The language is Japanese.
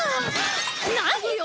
何よ！